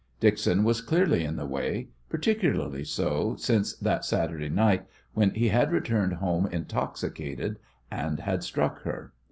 Dixon was clearly in the way, particularly so since that Saturday night when he had returned home intoxicated and had struck her.